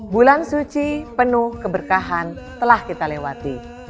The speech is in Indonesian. bulan suci penuh keberkahan telah kita lewati